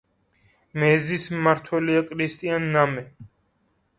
მეზის მმართველია კრისტიან ნამე.